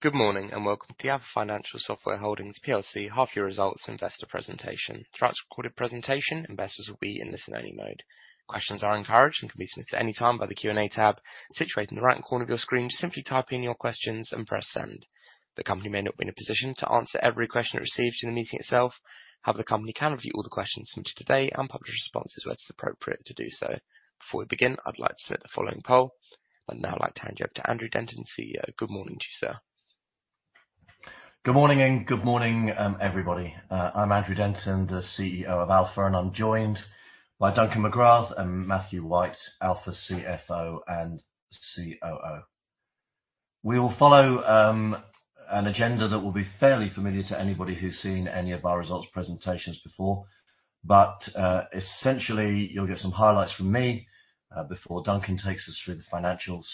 Good morning, and welcome to the Alfa Financial Software Holdings PLC half-year results investor presentation. Throughout this recorded presentation, investors will be in listen-only mode. Questions are encouraged and can be submitted at any time by the Q&A tab situated in the right corner of your screen. Simply type in your questions and press Send. The company may not be in a position to answer every question it receives during the meeting itself. However, the company can review all the questions submitted today and publish responses where it's appropriate to do so. Before we begin, I'd like to set the following poll. I'd now like to hand you over to Andrew Denton, CEO. Good morning to you, sir. Good morning, everybody. I'm Andrew Denton, the CEO of Alfa, and I'm joined by Duncan Magrath and Matthew White, Alfa CFO and COO. We will follow an agenda that will be fairly familiar to anybody who's seen any of our results presentations before. Essentially, you'll get some highlights from me before Duncan takes us through the financials.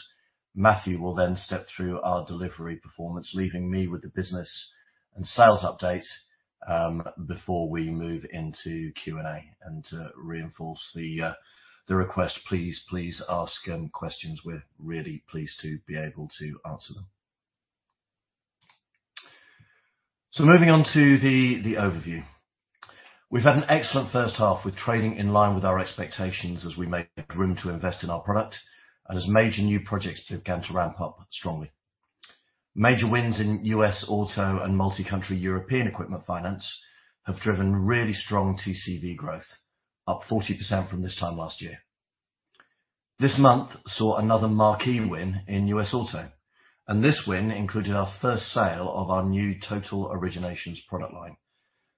Matthew will then step through our delivery performance, leaving me with the business and sales update before we move into Q&A. To reinforce the request, please, please ask questions. We're really pleased to be able to answer them. Moving on to the overview. We've had an excellent first half with trading in line with our expectations as we made room to invest in our product and as major new projects began to ramp up strongly. Major wins in U.S. Auto and multi-country European equipment finance have driven really strong TCV growth, up 40% from this time last year. This month saw another marquee win in U.S. Auto, and this win included our first sale of our new total originations product line,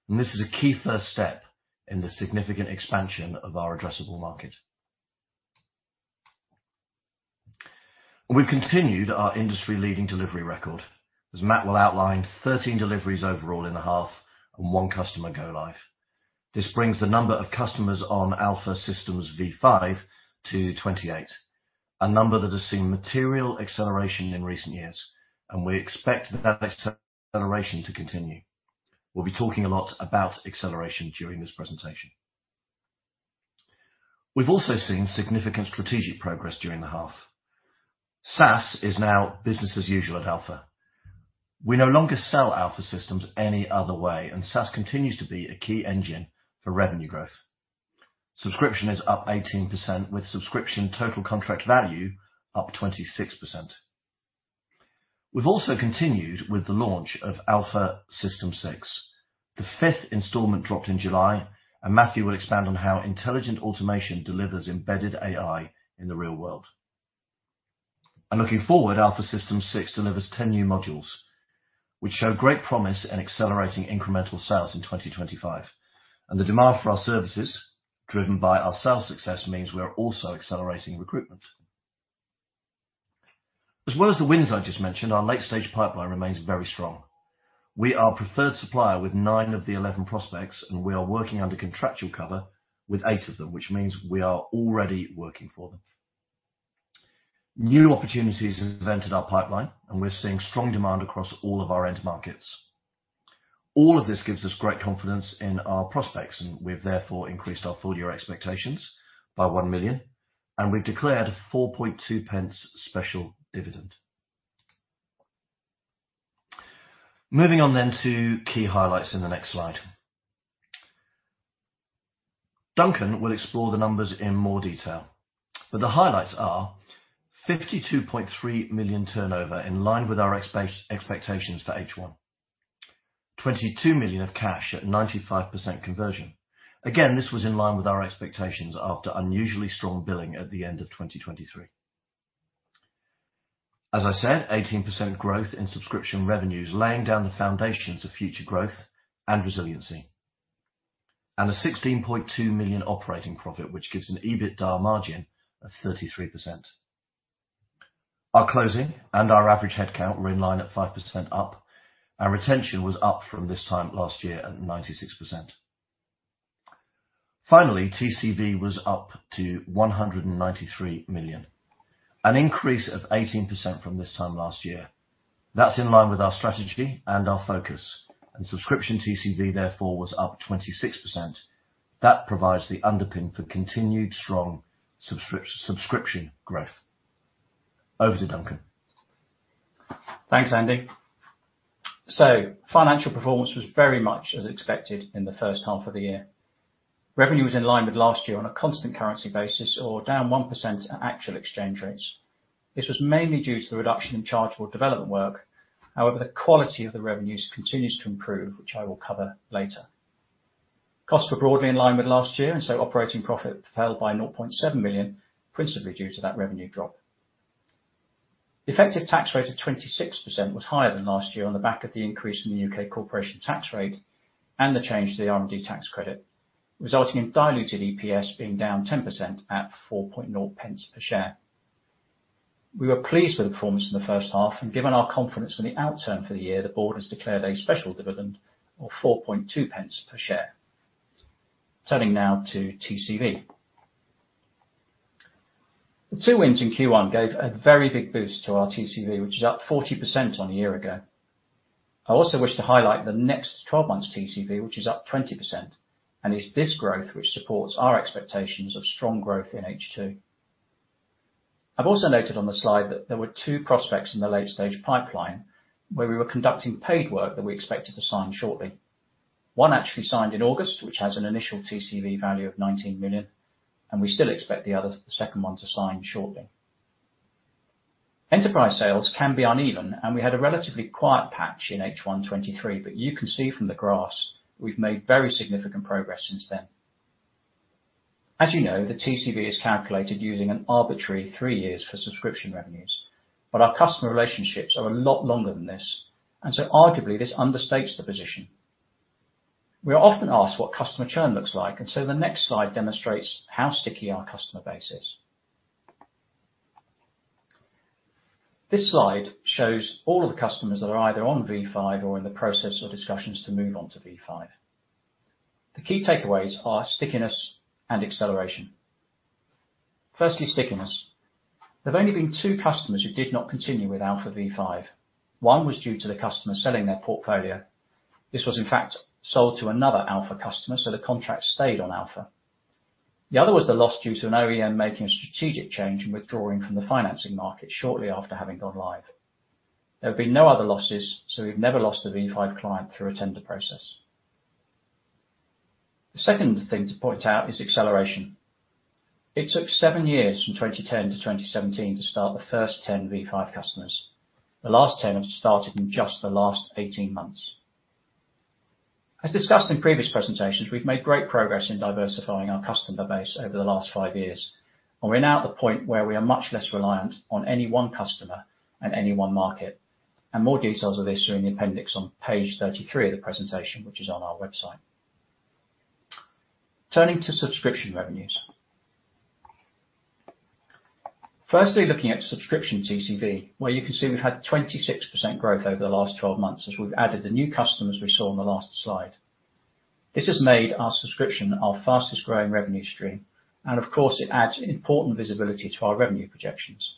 and this is a key first step in the significant expansion of our addressable market. We've continued our industry-leading delivery record. As Matt will outline, 13 deliveries overall in the half and one customer go live. This brings the number of customers on Alfa Systems V5 to 28, a number that has seen material acceleration in recent years, and we expect that acceleration to continue. We'll be talking a lot about acceleration during this presentation. We've also seen significant strategic progress during the half. SaaS is now business as usual at Alfa. We no longer sell Alfa Systems any other way, and SaaS continues to be a key engine for revenue growth. Subscription is up 18%, with subscription total contract value up 26%. We've also continued with the launch of Alfa Systems 6. The fifth installment dropped in July, and Matthew will expand on how intelligent automation delivers embedded AI in the real world, and looking forward, Alfa Systems 6 delivers 10 new modules, which show great promise in accelerating incremental sales in 2025, and the demand for our services, driven by our sales success, means we are also accelerating recruitment. As well as the wins I just mentioned, our late-stage pipeline remains very strong. We are preferred supplier with 9 of the 11 prospects, and we are working under contractual cover with 8 of them, which means we are already working for them. New opportunities have entered our pipeline, and we're seeing strong demand across all of our end markets. All of this gives us great confidence in our prospects, and we've therefore increased our full-year expectations by 1 million, and we've declared 0.042 special dividend. Moving on then to key highlights in the next slide. Duncan will explore the numbers in more detail, but the highlights are 52.3 million turnover, in line with our expectations for H1. 22 million of cash at 95% conversion. Again, this was in line with our expectations after unusually strong billing at the end of 2023. As I said, 18% growth in subscription revenues, laying down the foundations of future growth and resiliency, and a 16.2 million operating profit, which gives an EBITDA margin of 33%. Our closing and our average headcount were in line at 5% up, and retention was up from this time last year at 96%. Finally, TCV was up to 193 million, an increase of 18% from this time last year. That's in line with our strategy and our focus, and subscription TCV, therefore, was up 26%. That provides the underpin for continued strong subscription growth. Over to Duncan. Thanks, Andy. Financial performance was very much as expected in the first half of the year. Revenue was in line with last year on a constant currency basis, or down 1% at actual exchange rates. This was mainly due to the reduction in chargeable development work. However, the quality of the revenues continues to improve, which I will cover later. Costs were broadly in line with last year, and so operating profit fell by 0.7 million, principally due to that revenue drop. The effective tax rate of 26% was higher than last year on the back of the increase in the U.K. corporation tax rate and the change to the R&D tax credit, resulting in diluted EPS being down 10% at 0.04 per share. We were pleased with the performance in the first half, and given our confidence in the outturn for the year, the board has declared a special dividend of 0.042 per share. Turning now to TCV. The two wins in Q1 gave a very big boost to our TCV, which is up 40% on a year ago. I also wish to highlight the next 12 months TCV, which is up 20%, and it's this growth which supports our expectations of strong growth in H2. I've also noted on the slide that there were two prospects in the late stage pipeline, where we were conducting paid work that we expected to sign shortly. One actually signed in August, which has an initial TCV value of 19 million, and we still expect the other, the second one, to sign shortly. Enterprise sales can be uneven, and we had a relatively quiet patch in H1 2023, but you can see from the graphs we've made very significant progress since then. As you know, the TCV is calculated using an arbitrary three years for subscription revenues, but our customer relationships are a lot longer than this, and so arguably, this understates the position. We are often asked what customer churn looks like, and so the next slide demonstrates how sticky our customer base is. This slide shows all of the customers that are either on V5 or in the process of discussions to move on to V5. The key takeaways are stickiness and acceleration. Firstly, stickiness. There have only been two customers who did not continue with Alfa V5. One was due to the customer selling their portfolio. This was, in fact, sold to another Alfa customer, so the contract stayed on Alfa. The other was the loss due to an OEM making a strategic change and withdrawing from the financing market shortly after having gone live. There have been no other losses, so we've never lost a V5 client through a tender process. The second thing to point out is acceleration. It took seven years, from 2010 to 2017, to start the first 10 V5 customers. The last 10 have started in just the last eighteen months. As discussed in previous presentations, we've made great progress in diversifying our customer base over the last five years, and we're now at the point where we are much less reliant on any one customer and any one market. More details of this are in the appendix on page 33 of the presentation, which is on our website. Turning to subscription revenues. Firstly, looking at subscription TCV, where you can see we've had 26% growth over the last 12 months as we've added the new customers we saw on the last slide. This has made our subscription our fastest growing revenue stream, and of course, it adds important visibility to our revenue projections.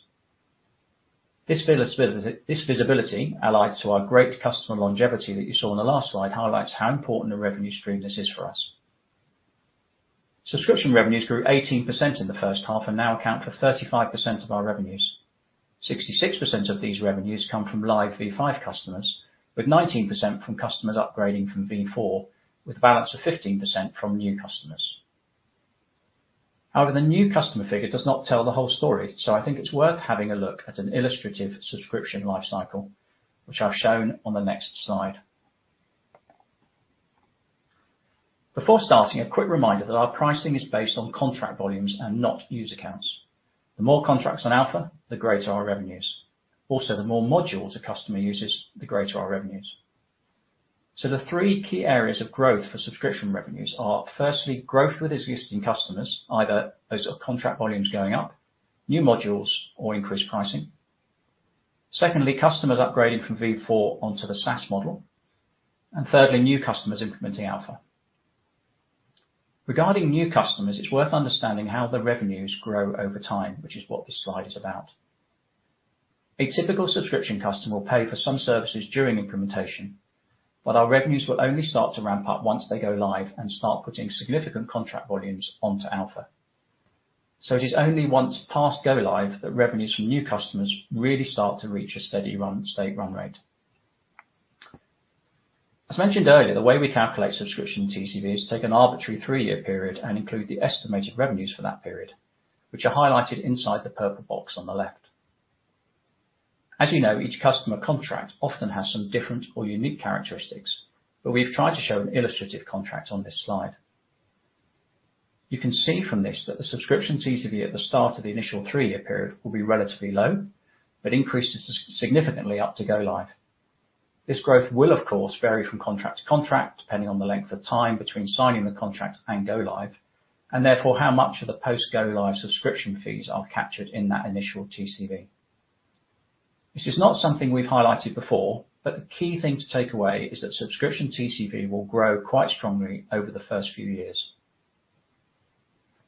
This visibility, allied to our great customer longevity that you saw in the last slide, highlights how important a revenue stream this is for us. Subscription revenues grew 18% in the first half and now account for 35% of our revenues. 66% of these revenues come from live V5 customers, with 19% from customers upgrading from V4, with a balance of 15% from new customers. However, the new customer figure does not tell the whole story, so I think it's worth having a look at an illustrative subscription life cycle, which I've shown on the next slide. Before starting, a quick reminder that our pricing is based on contract volumes and not user accounts. The more contracts on Alfa, the greater our revenues. Also, the more modules a customer uses, the greater our revenues. So the three key areas of growth for subscription revenues are, firstly, growth with existing customers, either as contract volumes going up, new modules, or increased pricing. Secondly, customers upgrading from V4 onto the SaaS model. And thirdly, new customers implementing Alfa. Regarding new customers, it's worth understanding how the revenues grow over time, which is what this slide is about. A typical subscription customer will pay for some services during implementation, but our revenues will only start to ramp up once they go live and start putting significant contract volumes onto Alfa. So it is only once past go live that revenues from new customers really start to reach a steady run, state run rate. As mentioned earlier, the way we calculate subscription TCV is take an arbitrary three-year period and include the estimated revenues for that period, which are highlighted inside the purple box on the left. As you know, each customer contract often has some different or unique characteristics, but we've tried to show an illustrative contract on this slide. You can see from this that the subscription TCV at the start of the initial three-year period will be relatively low, but increases significantly up to go live. This growth will, of course, vary from contract to contract, depending on the length of time between signing the contract and go live, and therefore, how much of the post-go live subscription fees are captured in that initial TCV. This is not something we've highlighted before, but the key thing to take away is that subscription TCV will grow quite strongly over the first few years.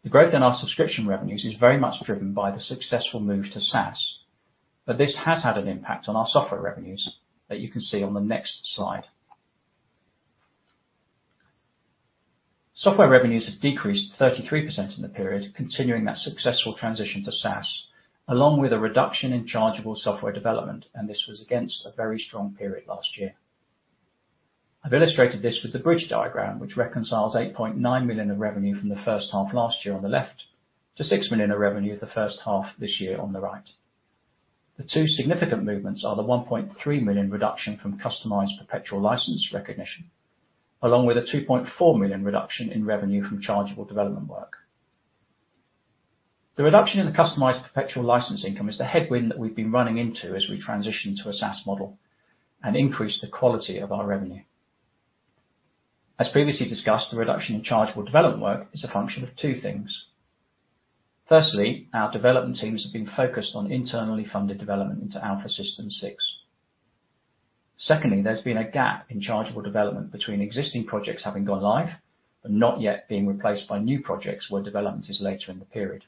The growth in our subscription revenues is very much driven by the successful move to SaaS, but this has had an impact on our software revenues that you can see on the next slide. Software revenues have decreased 33% in the period, continuing that successful transition to SaaS, along with a reduction in chargeable software development, and this was against a very strong period last year. I've illustrated this with the bridge diagram, which reconciles 8.9 million of revenue from the first half last year on the left, to 6 million of revenue the first half this year on the right. The two significant movements are the 1.3 million reduction from customized perpetual license recognition, along with a 2.4 million reduction in revenue from chargeable development work. The reduction in the customized perpetual license income is the headwind that we've been running into as we transition to a SaaS model and increase the quality of our revenue. As previously discussed, the reduction in chargeable development work is a function of two things: firstly, our development teams have been focused on internally funded development into Alfa Systems 6. Secondly, there's been a gap in chargeable development between existing projects having gone live, but not yet being replaced by new projects where development is later in the period.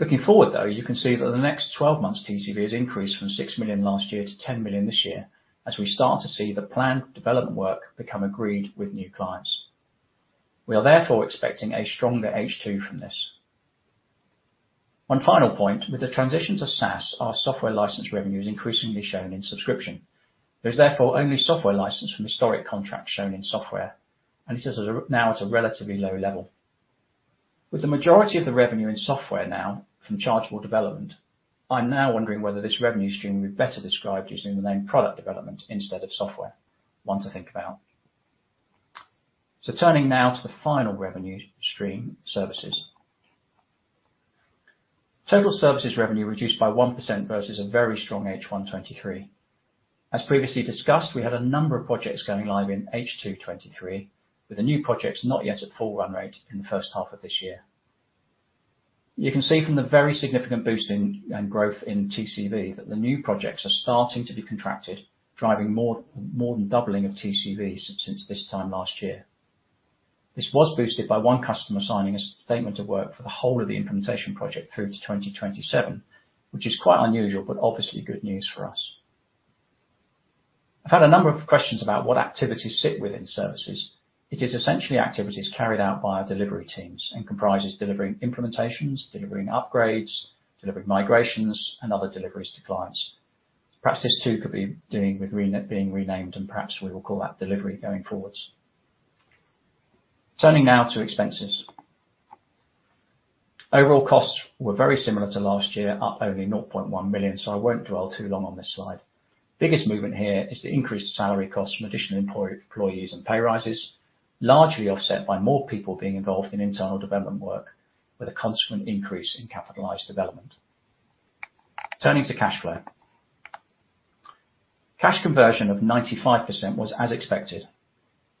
Looking forward, though, you can see that the next twelve months TCV has increased from 6 million last year to 10 million this year, as we start to see the planned development work become agreed with new clients. We are therefore expecting a stronger H2 from this. One final point, with the transition to SaaS, our software license revenue is increasingly shown in subscription. There is therefore only software license from historic contracts shown in software, and this is now at a relatively low level. With the majority of the revenue in software now from chargeable development, I'm now wondering whether this revenue stream would be better described using the name product development instead of software. One to think about. So turning now to the final revenue stream, services. Total services revenue reduced by 1% versus a very strong H1 2023. As previously discussed, we had a number of projects going live in H2 2023, with the new projects not yet at full run rate in the first half of this year. You can see from the very significant boost in, and growth in TCV, that the new projects are starting to be contracted, driving more than doubling of TCV since this time last year. This was boosted by one customer signing a statement of work for the whole of the implementation project through to twenty twenty-seven, which is quite unusual, but obviously good news for us. I've had a number of questions about what activities sit within services. It is essentially activities carried out by our delivery teams and comprises delivering implementations, delivering upgrades, delivering migrations, and other deliveries to clients. Perhaps this too could be doing with renaming, and perhaps we will call that delivery going forwards. Turning now to expenses. Overall costs were very similar to last year, up only 0.1 million, so I won't dwell too long on this slide. Biggest movement here is the increased salary costs from additional employees and pay rises, largely offset by more people being involved in internal development work, with a consequent increase in capitalized development. Turning to cash flow. Cash conversion of 95% was as expected,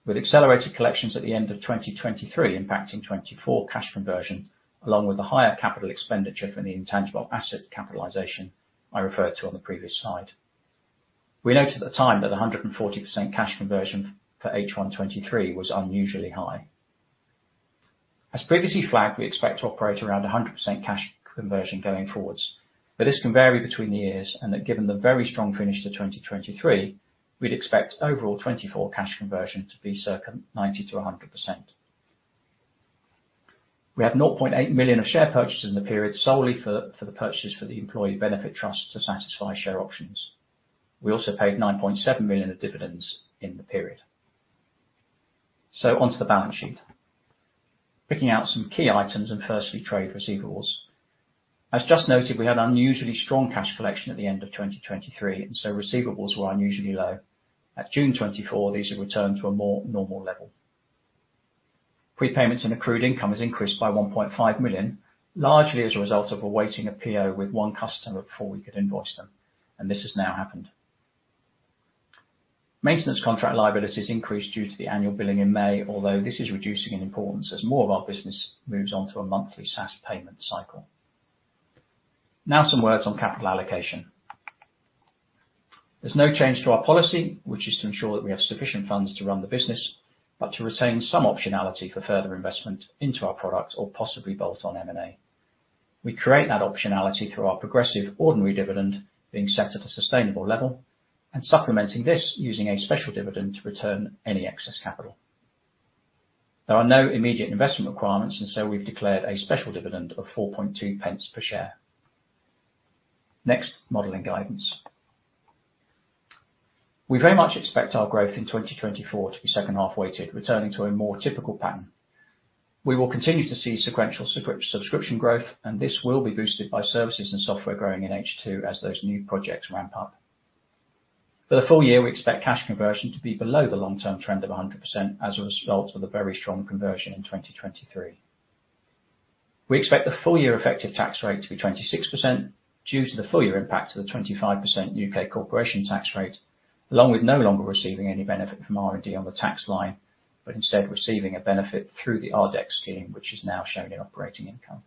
with accelerated collections at the end of twenty twenty-three impacting 2024 cash conversion, along with the higher capital expenditure from the intangible asset capitalization I referred to on the previous slide. We noted at the time that 140% cash conversion for H1 2023 was unusually high. As previously flagged, we expect to operate around 100% cash conversion going forwards, but this can vary between the years, and that given the very strong finish to 2023, we'd expect overall 2024 cash conversion to be circa 90%-100%. We had 0.8 million of share purchases in the period, solely for the purchases for the employee benefit trust to satisfy share options. We also paid 9.7 million of dividends in the period. So onto the balance sheet. Picking out some key items, and firstly, trade receivables. As just noted, we had unusually strong cash collection at the end of 2023, and so receivables were unusually low. At June 2024, these have returned to a more normal level. Prepayments and accrued income has increased by 1.5 million, largely as a result of awaiting a PO with one customer before we could invoice them, and this has now happened. Maintenance contract liabilities increased due to the annual billing in May, although this is reducing in importance as more of our business moves on to a monthly SaaS payment cycle. Now, some words on capital allocation. There's no change to our policy, which is to ensure that we have sufficient funds to run the business, but to retain some optionality for further investment into our product or possibly bolt-on M&A. We create that optionality through our progressive ordinary dividend being set at a sustainable level and supplementing this using a special dividend to return any excess capital. There are no immediate investment requirements, and so we've declared a special dividend of 0.042 per share. Next, modeling guidance. We very much expect our growth in 2024 to be second half weighted, returning to a more typical pattern. We will continue to see sequential subscription growth, and this will be boosted by services and software growing in H2 as those new projects ramp up. For the full year, we expect cash conversion to be below the long-term trend of 100%, as a result of the very strong conversion in 2023. We expect the full year effective tax rate to be 26%, due to the full year impact of the 25% U.K. corporation tax rate, along with no longer receiving any benefit from R&D on the tax line, but instead receiving a benefit through the RDEC scheme, which is now shown in operating income.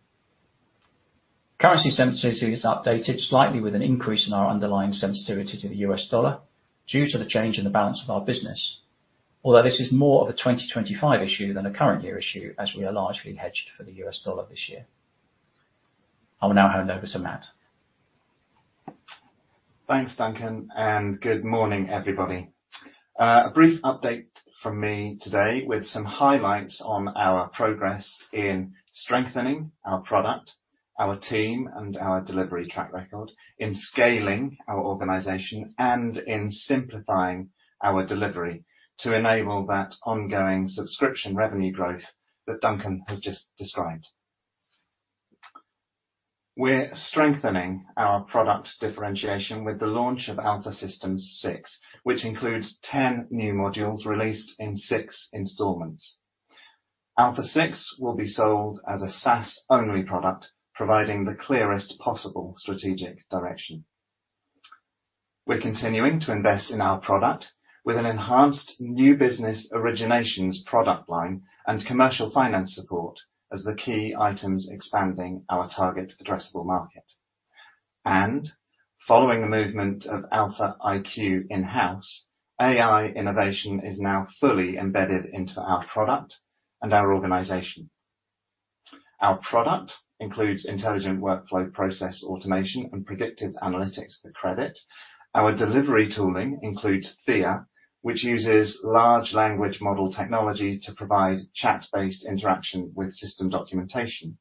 Currency sensitivity is updated slightly with an increase in our underlying sensitivity to the U.S. dollar, due to the change in the balance of our business, although this is more of a 2025 issue than a current year issue, as we are largely hedged for the U.S. dollar this year. I will now hand over to Matt. Thanks, Duncan, and good morning, everybody. A brief update from me today with some highlights on our progress in strengthening our product, our team, and our delivery track record, in scaling our organization, and in simplifying our delivery to enable that ongoing subscription revenue growth that Duncan has just described. We're strengthening our product differentiation with the launch of Alfa Systems 6, which includes 10 new modules released in six installments. Alfa 6 will be sold as a SaaS-only product, providing the clearest possible strategic direction. We're continuing to invest in our product with an enhanced new business originations product line and commercial finance support as the key items expanding our target addressable market, and following the movement of Alfa iQ in-house, AI innovation is now fully embedded into our product and our organization. Our product includes intelligent workflow process automation and predictive analytics for credit. Our delivery tooling includes Thea, which uses large language model technology to provide chat-based interaction with system documentation.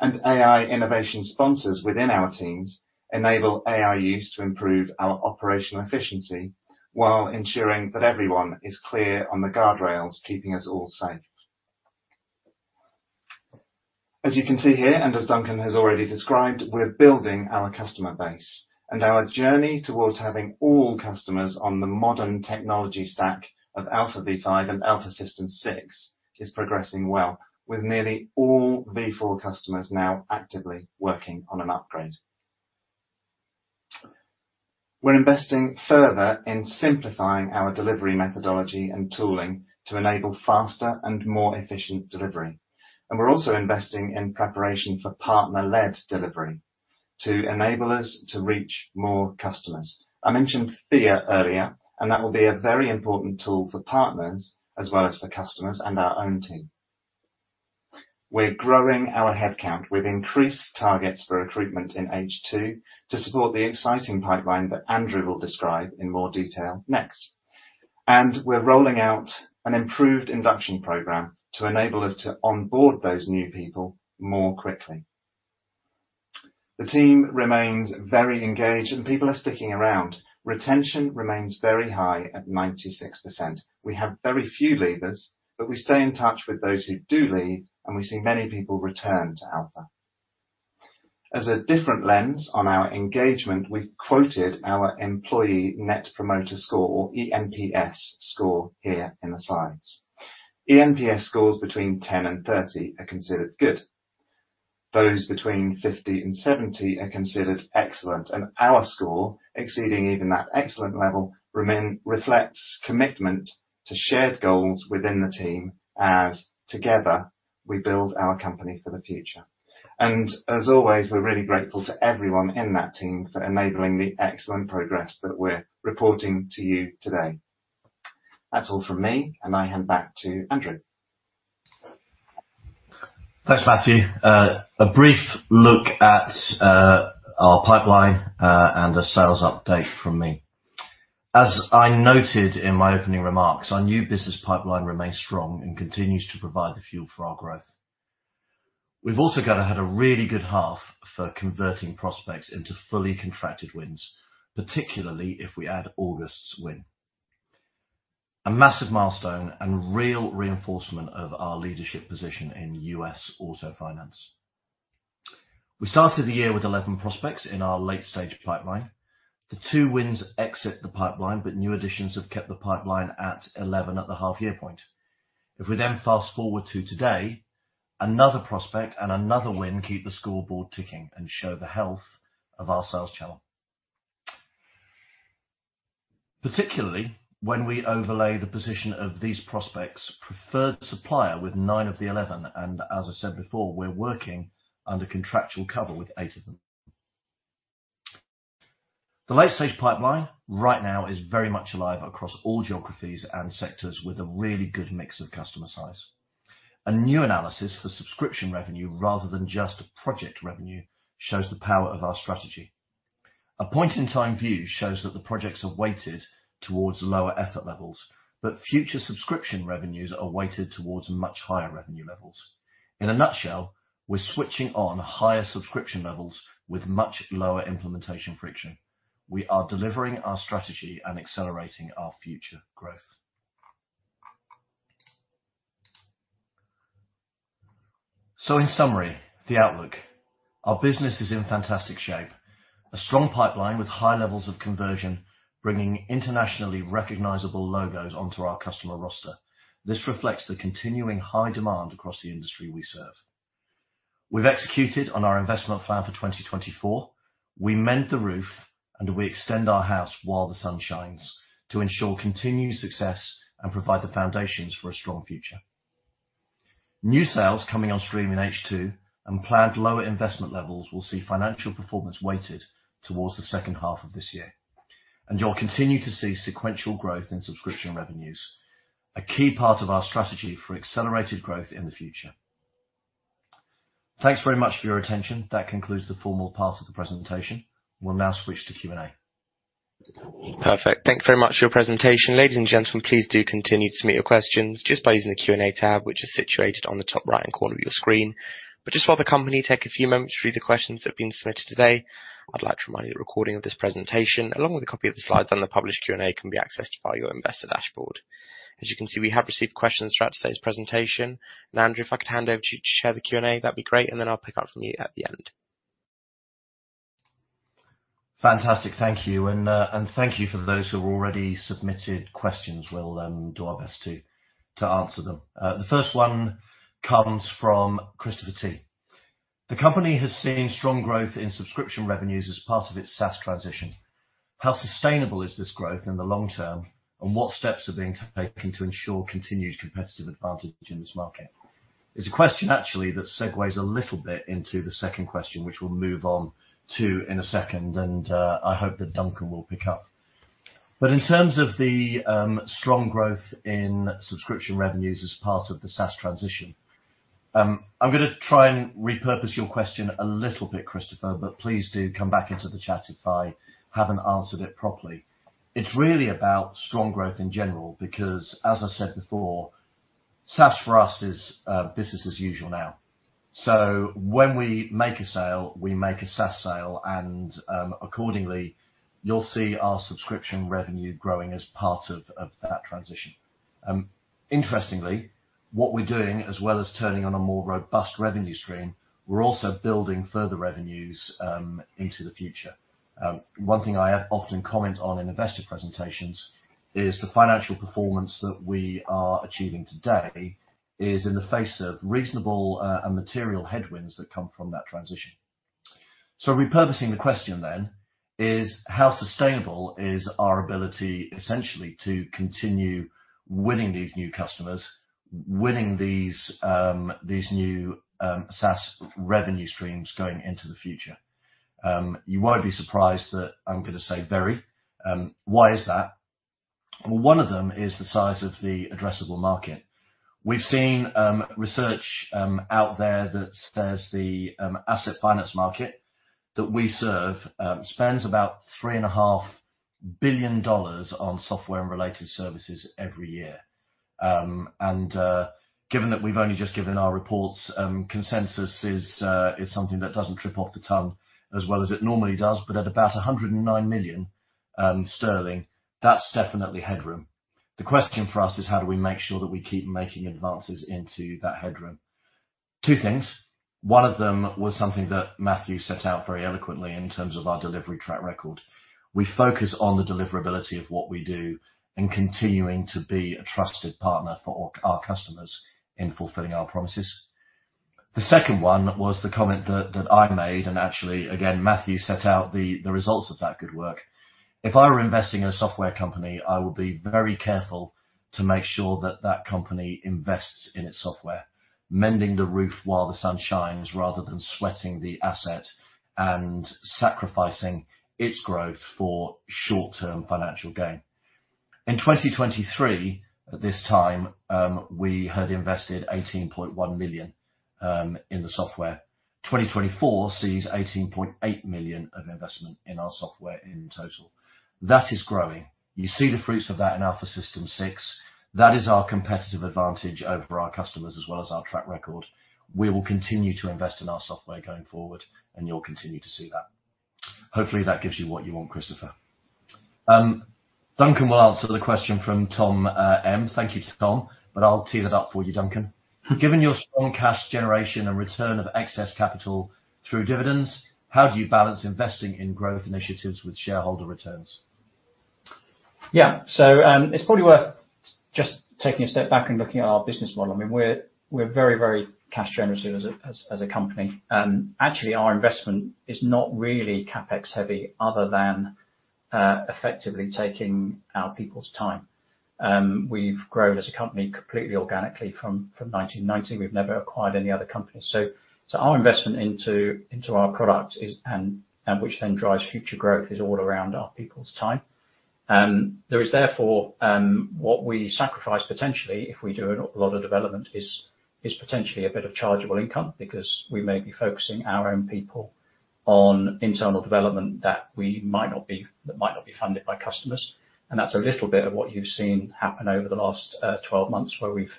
And AI innovation sponsors within our teams enable AI use to improve our operational efficiency, while ensuring that everyone is clear on the guardrails, keeping us all safe. As you can see here, and as Duncan has already described, we're building our customer base and our journey towards having all customers on the modern technology stack of Alfa Systems V5 and Alfa Systems 6 is progressing well, with nearly all V4 customers now actively working on an upgrade. We're investing further in simplifying our delivery methodology and tooling to enable faster and more efficient delivery. And we're also investing in preparation for partner-led delivery to enable us to reach more customers. I mentioned Thea earlier, and that will be a very important tool for partners as well as for customers and our own team. We're growing our headcount with increased targets for recruitment in H2 to support the exciting pipeline that Andrew will describe in more detail next. We're rolling out an improved induction program to enable us to onboard those new people more quickly. The team remains very engaged, and people are sticking around. Retention remains very high at 96%. We have very few leavers, but we stay in touch with those who do leave, and we see many people return to Alfa. As a different lens on our engagement, we've quoted our Employee Net Promoter Score, or eNPS score, here in the slides. eNPS scores between 10 and 30 are considered good. Those between fifty and seventy are considered excellent, and our score, exceeding even that excellent level, reflects commitment to shared goals within the team as together we build our company for the future. And as always, we're really grateful to everyone in that team for enabling the excellent progress that we're reporting to you today. That's all from me, and I hand back to Andrew. Thanks, Matthew. A brief look at our pipeline and a sales update from me. As I noted in my opening remarks, our new business pipeline remains strong and continues to provide the fuel for our growth. We've also got to have a really good half for converting prospects into fully contracted wins, particularly if we add August's win. A massive milestone and real reinforcement of our leadership position in U.S. Auto Finance. We started the year with 11 prospects in our late-stage pipeline. The two wins exit the pipeline, but new additions have kept the pipeline at 11 at the half year point. If we then fast-forward to today, another prospect and another win keep the scoreboard ticking and show the health of our sales channel. Particularly, when we overlay the position of these prospects, preferred supplier with nine of the eleven, and as I said before, we're working under contractual cover with eight of them. The late-stage pipeline right now is very much alive across all geographies and sectors, with a really good mix of customer size. A new analysis for subscription revenue, rather than just project revenue, shows the power of our strategy. A point-in-time view shows that the projects are weighted towards lower effort levels, but future subscription revenues are weighted towards much higher revenue levels. In a nutshell, we're switching on higher subscription levels with much lower implementation friction. We are delivering our strategy and accelerating our future growth. So in summary, the outlook. Our business is in fantastic shape. A strong pipeline with high levels of conversion, bringing internationally recognizable logos onto our customer roster. This reflects the continuing high demand across the industry we serve. We've executed on our investment plan for 2024. We mend the roof, and we extend our house while the sun shines to ensure continued success and provide the foundations for a strong future. New sales coming on stream in H2 and planned lower investment levels will see financial performance weighted towards the second half of this year, and you'll continue to see sequential growth in subscription revenues, a key part of our strategy for accelerated growth in the future. Thanks very much for your attention. That concludes the formal part of the presentation. We'll now switch to Q&A. Perfect. Thank you very much for your presentation. Ladies and gentlemen, please do continue to submit your questions just by using the Q&A tab, which is situated on the top right-hand corner of your screen. But just while the company take a few moments to read the questions that have been submitted today, I'd like to remind you the recording of this presentation, along with a copy of the slides and the published Q&A, can be accessed via your investor dashboard. As you can see, we have received questions throughout today's presentation, and Andrew, if I could hand over to you to share the Q&A, that'd be great, and then I'll pick up from you at the end. Fantastic. Thank you. And thank you for those who have already submitted questions. We'll do our best to answer them. The first one comes from Christopher T: "The company has seen strong growth in subscription revenues as part of its SaaS transition... How sustainable is this growth in the long term, and what steps are being taken to ensure continued competitive advantage in this market?" It's a question, actually, that segues a little bit into the second question, which we'll move on to in a second, and I hope that Duncan will pick up. But in terms of the strong growth in subscription revenues as part of the SaaS transition, I'm gonna try and repurpose your question a little bit, Christopher, but please do come back into the chat if I haven't answered it properly. It's really about strong growth in general, because as I said before, SaaS for us is business as usual now, so when we make a sale, we make a SaaS sale, and accordingly, you'll see our subscription revenue growing as part of that transition. Interestingly, what we're doing, as well as turning on a more robust revenue stream, we're also building further revenues into the future. One thing I often comment on in investor presentations is the financial performance that we are achieving today is in the face of reasonable and material headwinds that come from that transition, so repurposing the question then, is how sustainable is our ability, essentially, to continue winning these new customers, winning these new SaaS revenue streams going into the future? You won't be surprised that I'm gonna say very. Why is that? One of them is the size of the addressable market. We've seen research out there that says the asset finance market that we serve spends about $3.5 billion on software and related services every year, and given that we've only just given our reports, consensus is something that doesn't trip off the tongue as well as it normally does, but at about 109 million sterling, that's definitely headroom. The question for us is how do we make sure that we keep making advances into that headroom? Two things. One of them was something that Matthew set out very eloquently in terms of our delivery track record. We focus on the deliverability of what we do and continuing to be a trusted partner for our customers in fulfilling our promises. The second one was the comment that I made, and actually, again, Matthew set out the results of that good work. If I were investing in a software company, I would be very careful to make sure that that company invests in its software, mending the roof while the sun shines, rather than sweating the asset and sacrificing its growth for short-term financial gain. In twenty twenty-three, at this time, we had invested 18.1 million in the software. Twenty twenty-four sees 18.8 million of investment in our software in total. That is growing. You see the fruits of that in Alfa Systems 6. That is our competitive advantage over our customers as well as our track record. We will continue to invest in our software going forward, and you'll continue to see that. Hopefully, that gives you what you want, Christopher. Duncan will answer the question from Tom M. Thank you to Tom, but I'll tee that up for you, Duncan. "Given your strong cash generation and return of excess capital through dividends, how do you balance investing in growth initiatives with shareholder returns? Yeah, so, it's probably worth just taking a step back and looking at our business model. I mean, we're very, very cash generative as a company. Actually, our investment is not really CapEx heavy other than effectively taking our people's time. We've grown as a company completely organically from nineteen ninety. We've never acquired any other company. So our investment into our product, and which then drives future growth, is all around our people's time. There is therefore what we sacrifice potentially, if we do a lot of development, is potentially a bit of chargeable income, because we may be focusing our own people on internal development that might not be funded by customers. That's a little bit of what you've seen happen over the last 12 months, where we've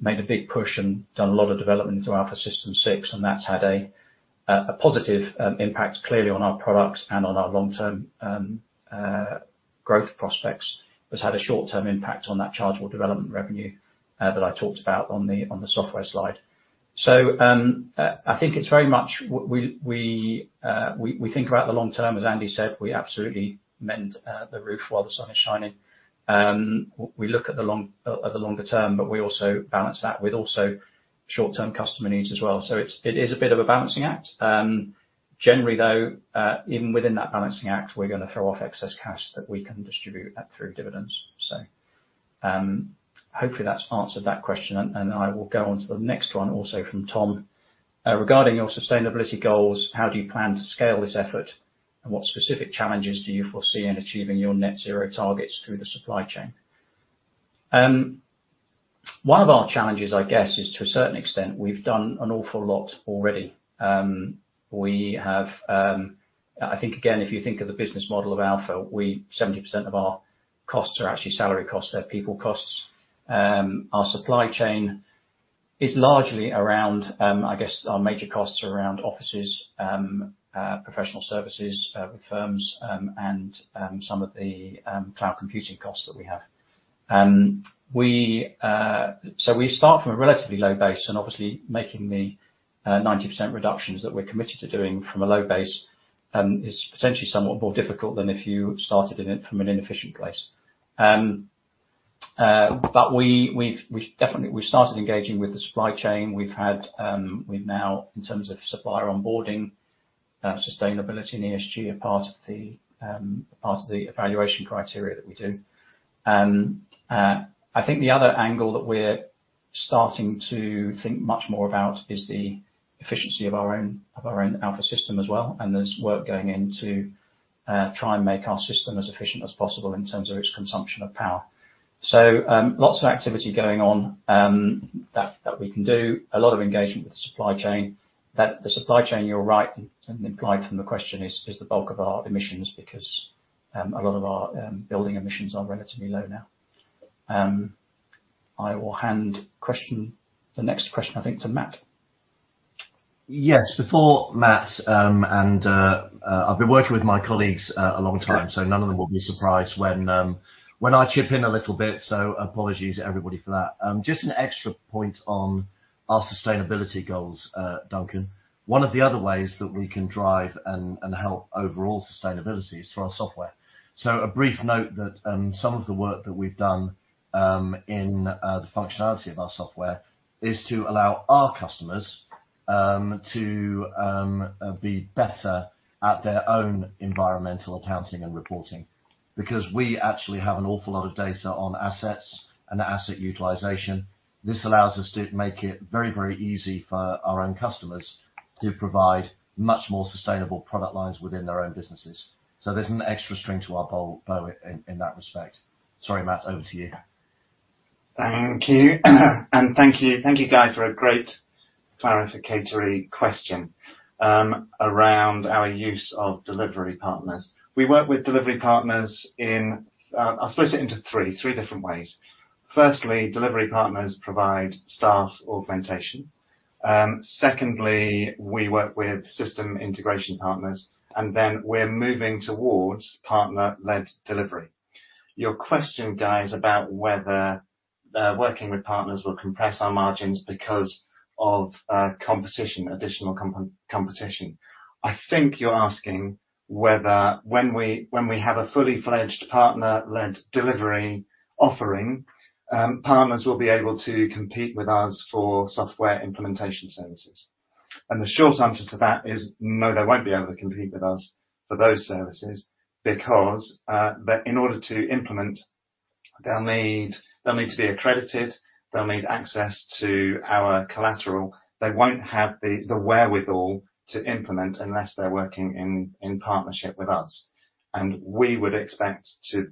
made a big push and done a lot of development into Alfa Systems 6, and that's had a positive impact, clearly on our products and on our long-term growth prospects. But it's had a short-term impact on that chargeable development revenue that I talked about on the software slide. So I think it's very much we think about the long term. As Andy said, we absolutely mend the roof while the sun is shining. We look at the longer term, but we also balance that with also short-term customer needs as well. So it is a bit of a balancing act. Generally, though, even within that balancing act, we're gonna throw off excess cash that we can distribute through dividends. So, hopefully, that's answered that question, and I will go on to the next one, also from Tom: "Regarding your sustainability goals, how do you plan to scale this effort, and what specific challenges do you foresee in achieving your net zero targets through the supply chain?" One of our challenges, I guess, is to a certain extent, we've done an awful lot already. We have. I think, again, if you think of the business model of Alfa, we 70% of our costs are actually salary costs, they're people costs. Our supply chain is largely around, I guess, our major costs are around offices, professional services, with firms, and some of the cloud computing costs that we have. So we start from a relatively low base, and obviously, making the 90% reductions that we're committed to doing from a low base is potentially somewhat more difficult than if you started in it from an inefficient place. But we've definitely started engaging with the supply chain. We've now, in terms of supplier onboarding, sustainability and ESG are part of the evaluation criteria that we do. I think the other angle that we're starting to think much more about is the efficiency of our own Alfa system as well, and there's work going into try and make our system as efficient as possible in terms of its consumption of power. So, lots of activity going on that we can do a lot of engagement with the supply chain. That, the supply chain, you're right, and implied from the question is the bulk of our emissions, because a lot of our building emissions are relatively low now. I will hand the next question, I think, to Matt. Yes, before Matt, I've been working with my colleagues a long time- Yeah. So none of them will be surprised when I chip in a little bit, so apologies to everybody for that. Just an extra point on our sustainability goals, Duncan. One of the other ways that we can drive and help overall sustainability is through our software. So a brief note that some of the work that we've done in the functionality of our software is to allow our customers to be better at their own environmental accounting and reporting. Because we actually have an awful lot of data on assets and asset utilization, this allows us to make it very, very easy for our own customers to provide much more sustainable product lines within their own businesses. So there's an extra string to our bow in that respect. Sorry, Matt, over to you. Thank you. And thank you, thank you, Guy, for a great clarificatory question around our use of delivery partners. We work with delivery partners in, I'll split it into three different ways. Firstly, delivery partners provide staff augmentation. Secondly, we work with system integration partners, and then we're moving towards partner-led delivery. Your question, Guy, is about whether working with partners will compress our margins because of competition. I think you're asking whether when we have a fully fledged partner-led delivery offering, partners will be able to compete with us for software implementation services. And the short answer to that is no, they won't be able to compete with us for those services, because that in order to implement, they'll need to be accredited, they'll need access to our collateral. They won't have the wherewithal to implement unless they're working in partnership with us. And we would expect to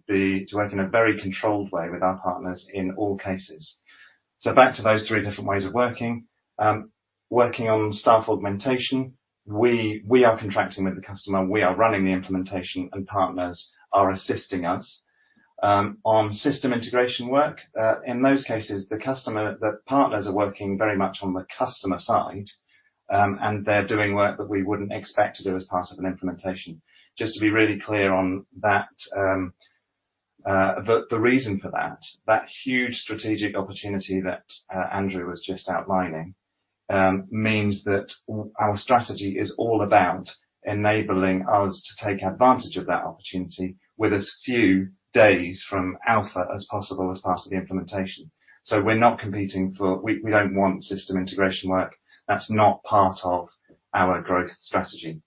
work in a very controlled way with our partners in all cases. So back to those three different ways of working. Working on staff augmentation, we are contracting with the customer. We are running the implementation, and partners are assisting us. On system integration work, in most cases, the partners are working very much on the customer side, and they're doing work that we wouldn't expect to do as part of an implementation. Just to be really clear on that, the reason for that, that huge strategic opportunity that Andrew was just outlining means that our strategy is all about enabling us to take advantage of that opportunity with as few days from Alfa as possible as part of the implementation. So we're not competing for. We don't want system integration work. That's not part of our growth strategy.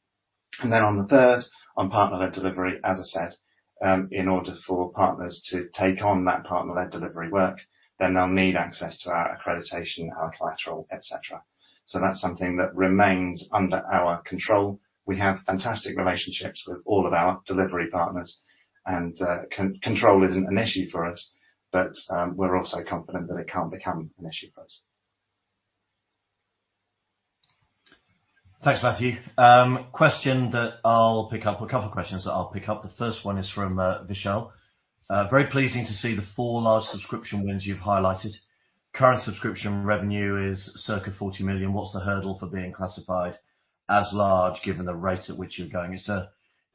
And then on the third, on partner-led delivery, as I said, in order for partners to take on that partner-led delivery work, then they'll need access to our accreditation, our collateral, et cetera. So that's something that remains under our control. We have fantastic relationships with all of our delivery partners, and control isn't an issue for us, but we're also confident that it can't become an issue for us. Thanks, Matthew. Question that I'll pick up, a couple of questions that I'll pick up. The first one is from Vishal: "Very pleasing to see the four large subscription wins you've highlighted. Current subscription revenue is circa 40 million. What's the hurdle for being classified as large, given the rate at which you're going?"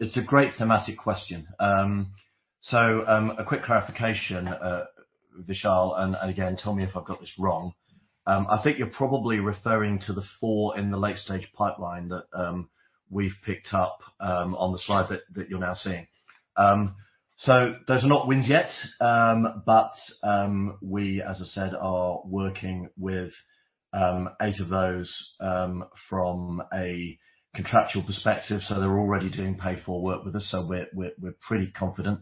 It's a great thematic question. So, a quick clarification, Vishal, and again, tell me if I've got this wrong. I think you're probably referring to the four in the late-stage pipeline that we've picked up on the slide that you're now seeing. So those are not wins yet, but we, as I said, are working with eight of those from a contractual perspective, so they're already doing paid-for work with us, so we're pretty confident.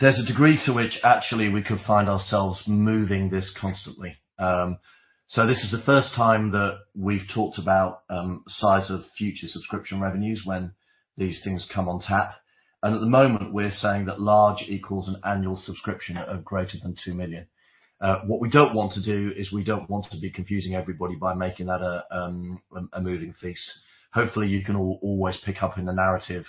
There's a degree to which actually we could find ourselves moving this constantly, so this is the first time that we've talked about size of future subscription revenues when these things come on tap, and at the moment, we're saying that large equals an annual subscription of greater than two million. What we don't want to do is we don't want to be confusing everybody by making that a moving feast. Hopefully, you can always pick up in the narrative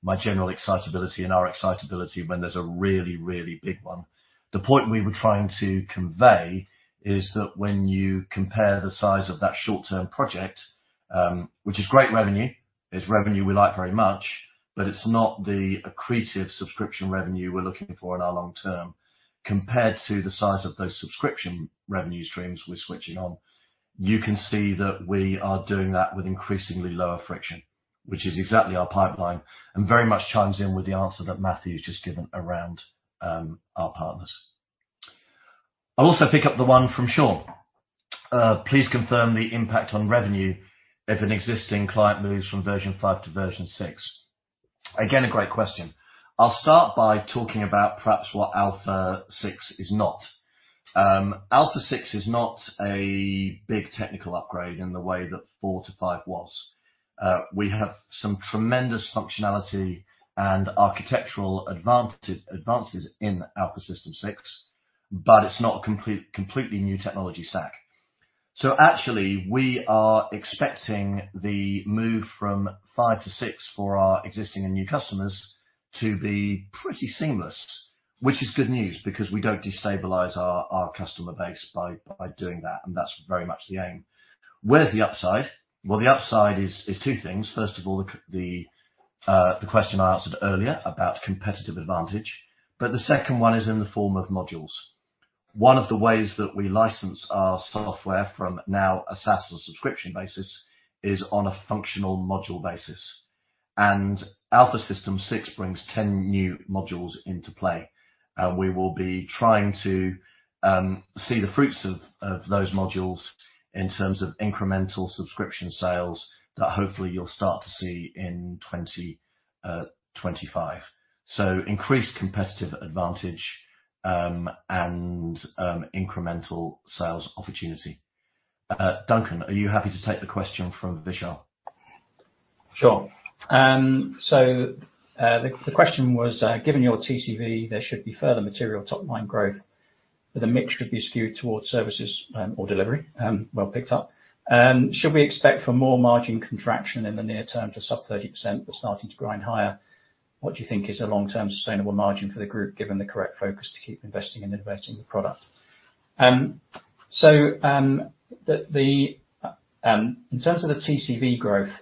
my general excitability and our excitability when there's a really, really big one. The point we were trying to convey is that when you compare the size of that short-term project, which is great revenue, it's revenue we like very much, but it's not the accretive subscription revenue we're looking for in our long term. Compared to the size of those subscription revenue streams we're switching on, you can see that we are doing that with increasingly lower friction, which is exactly our pipeline, and very much chimes in with the answer that Matthew's just given around our partners. I'll also pick up the one from Sean. "Please confirm the impact on revenue if an existing client moves from version five to version six?" Again, a great question. I'll start by talking about perhaps what Alfa six is not. Alfa six is not a big technical upgrade in the way that four to five was. We have some tremendous functionality and architectural advances in Alfa System six, but it's not a completely new technology stack. Actually, we are expecting the move from 5 to 6 for our existing and new customers to be pretty seamless, which is good news, because we don't destabilize our customer base by doing that, and that's very much the aim. Where's the upside? Well, the upside is two things. First of all, the question I answered earlier about competitive advantage, but the second one is in the form of modules. One of the ways that we license our software from now, a SaaS or subscription basis, is on a functional module basis, and Alfa Systems 6 brings 10 new modules into play. We will be trying to see the fruits of those modules in terms of incremental subscription sales, that hopefully you'll start to see in 2025. Increased competitive advantage, and incremental sales opportunity. Duncan, are you happy to take the question from Vishal? Sure. So, the question was, "Given your TCV, there should be further material top line growth, but the mixture would be skewed towards services, or delivery," well picked up. "Should we expect for more margin contraction in the near term to sub 30%, but starting to grind higher? What do you think is a long-term sustainable margin for the group, given the correct focus to keep investing and innovating the product?" So, in terms of the TCV growth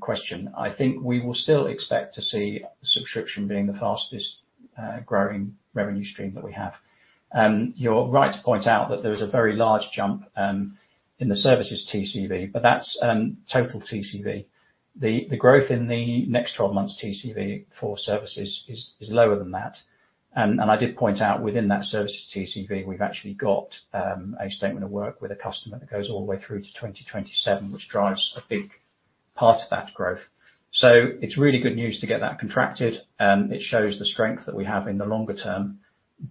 question, I think we will still expect to see subscription being the fastest growing revenue stream that we have. You're right to point out that there is a very large jump in the services TCV, but that's total TCV. The growth in the next twelve months TCV for services is lower than that. And I did point out within that services TCV, we've actually got a statement of work with a customer that goes all the way through to twenty twenty-seven, which drives a big part of that growth. So it's really good news to get that contracted. It shows the strength that we have in the longer term,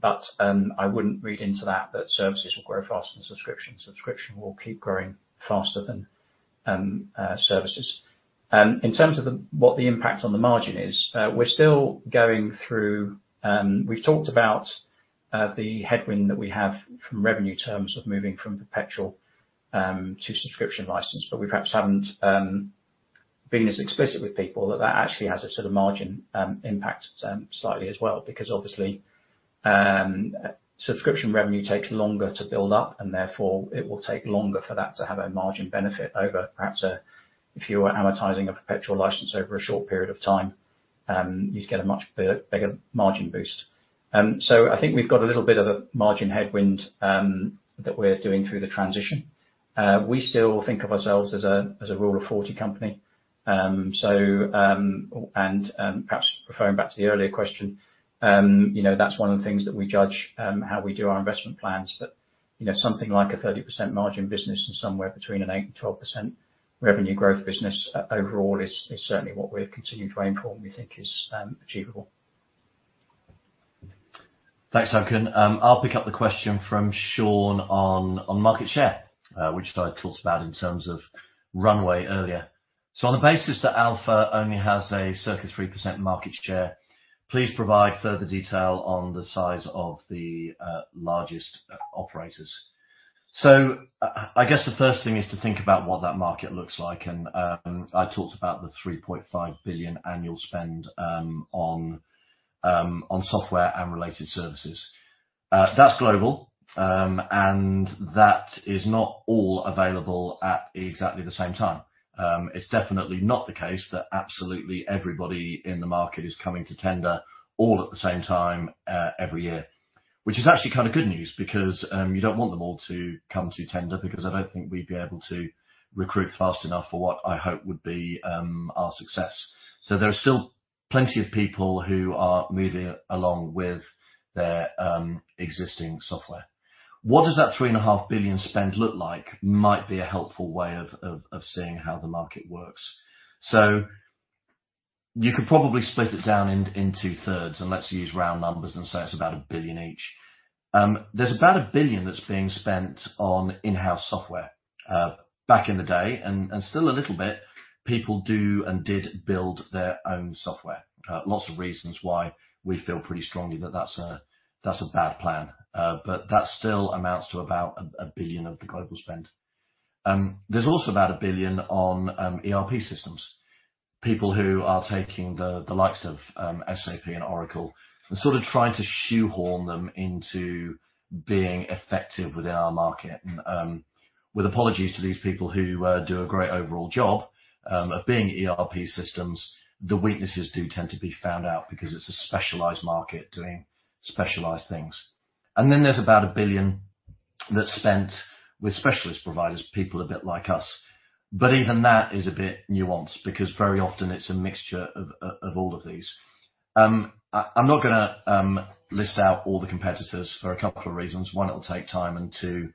but I wouldn't read into that services will grow faster than subscription. Subscription will keep growing faster than services. In terms of the... What the impact on the margin is, we're still going through. We've talked about the headwind that we have from revenue terms of moving from perpetual to subscription license, but we perhaps haven't been as explicit with people that that actually has a sort of margin impact slightly as well, because obviously subscription revenue takes longer to build up, and therefore it will take longer for that to have a margin benefit over perhaps a, if you were amortizing a perpetual license over a short period of time, you'd get a much bigger margin boost. So I think we've got a little bit of a margin headwind that we're doing through the transition. We still think of ourselves as a Rule of 40 company. So, and, perhaps referring back to the earlier question, you know, that's one of the things that we judge how we do our investment plans. But, you know, something like a 30% margin business and somewhere between an 8% and 12% revenue growth business overall is, is certainly what we're continuing to aim for, and we think is achievable. Thanks, Duncan. I'll pick up the question from Sean on market share, which I talked about in terms of runway earlier. "So on the basis that Alfa only has a circa 3% market share, please provide further detail on the size of the largest operators." So I guess the first thing is to think about what that market looks like, and I talked about the three point five billion annual spend on software and related services. That's global, and that is not all available at exactly the same time. It's definitely not the case that absolutely everybody in the market is coming to tender all at the same time every year. Which is actually kind of good news, because you don't want them all to come to tender, because I don't think we'd be able to recruit fast enough for what I hope would be our success. So there are still plenty of people who are moving along with their existing software. What does that 3.5 billion spend look like? Might be a helpful way of seeing how the market works. So you could probably split it down into two thirds, and let's use round numbers and say it's about 1 billion each. There's about 1 billion that's being spent on in-house software. Back in the day, and still a little bit, people do and did build their own software. Lots of reasons why we feel pretty strongly that that's a bad plan. But that still amounts to about a billion of the global spend. There's also about a billion on ERP systems. People who are taking the likes of SAP and Oracle, and sort of trying to shoehorn them into being effective within our market. And with apologies to these people who do a great overall job of being ERP systems, the weaknesses do tend to be found out, because it's a specialized market doing specialized things. And then there's about a billion that's spent with specialist providers, people a bit like us. But even that is a bit nuanced, because very often it's a mixture of all of these. I'm not gonna list out all the competitors for a couple of reasons: one, it'll take time, and two,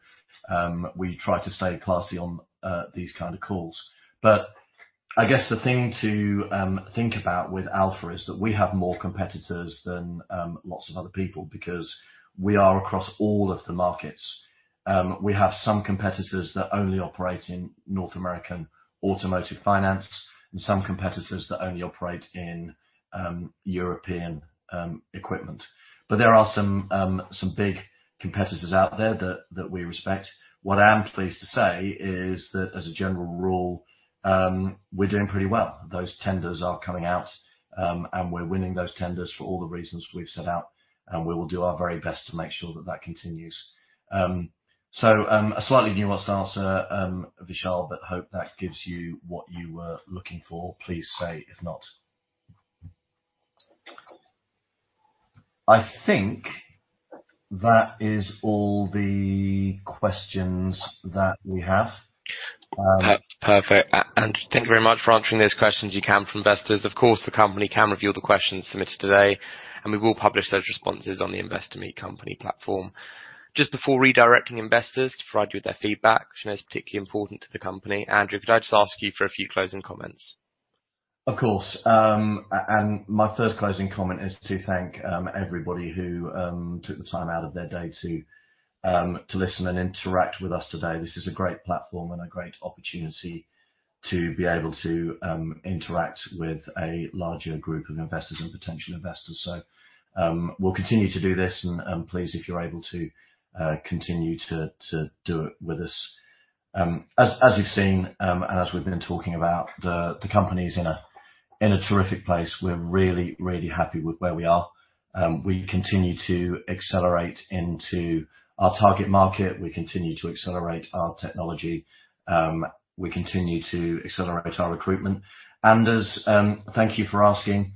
we try to stay classy on these kind of calls, but I guess the thing to think about with Alfa is that we have more competitors than lots of other people, because we are across all of the markets. We have some competitors that only operate in North American automotive finance, and some competitors that only operate in European equipment, but there are some big competitors out there that we respect. What I am pleased to say is that, as a general rule, we're doing pretty well. Those tenders are coming out, and we're winning those tenders for all the reasons we've set out, and we will do our very best to make sure that that continues. So, a slightly nuanced answer, Vishal, but hope that gives you what you were looking for. Please say if not. I think that is all the questions that we have. Perfect. Andrew, thank you very much for answering those questions from investors. Of course, the company can review the questions submitted today, and we will publish those responses on the Investor Meet Company platform. Just before redirecting investors to provide you with their feedback, which I know is particularly important to the company, Andrew, could I just ask you for a few closing comments? Of course, and my first closing comment is to thank everybody who took the time out of their day to listen and interact with us today. This is a great platform and a great opportunity to be able to interact with a larger group of investors and potential investors. So, we'll continue to do this, and please, if you're able to, continue to do it with us. As you've seen, and as we've been talking about, the company's in a terrific place. We're really, really happy with where we are. We continue to accelerate into our target market. We continue to accelerate our technology. We continue to accelerate our recruitment. And, thank you for asking,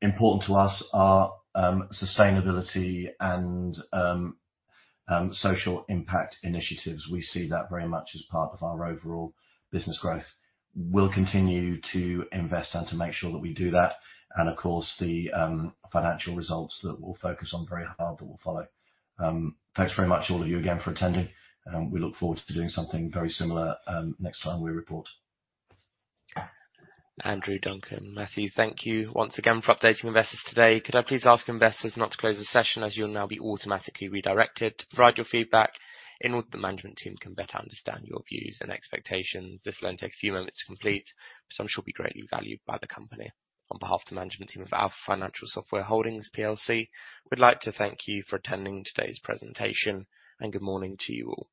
important to us are sustainability and social impact initiatives. We see that very much as part of our overall business growth. We'll continue to invest and to make sure that we do that, and of course, the financial results that we'll focus on very hard that will follow. Thanks very much, all of you, again, for attending, and we look forward to doing something very similar, next time we report. Andrew, Duncan, Matthew, thank you once again for updating investors today. Could I please ask investors not to close the session, as you'll now be automatically redirected, to provide your feedback in order that the management team can better understand your views and expectations. This will only take a few moments to complete, but I'm sure will be greatly valued by the company. On behalf of the management team of Alfa Financial Software Holdings PLC, we'd like to thank you for attending today's presentation, and good morning to you all.